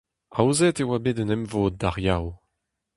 Aozet e oa bet un emvod d'ar Yaou.